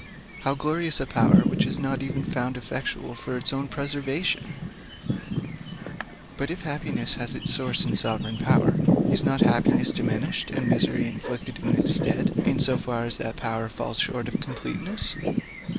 How glorious a power, which is not even found effectual for its own preservation! But if happiness has its source in sovereign power, is not happiness diminished, and misery inflicted in its stead, in so far as that power falls short of completeness?